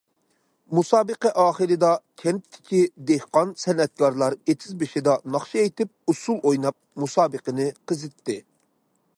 مۇسابىقە ئاخىرىدا كەنتتىكى دېھقان سەنئەتكارلار ئېتىز بېشىدا ناخشا ئېيتىپ، ئۇسسۇل ئويناپ، مۇسابىقىنى قىزىتتى.